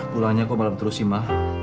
pulangnya kok malem terus sih ma